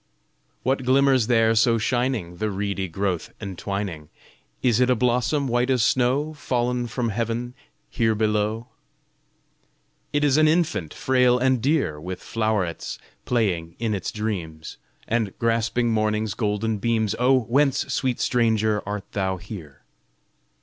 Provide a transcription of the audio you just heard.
What glimmers there so shining The reedy growth entwining? Is it a blossom white as snow Fallen from heav'n here below? It is an infant, frail and dear! With flowerets playing in its dreams And grasping morning's golden beams; Oh! whence, sweet stranger, art thou here?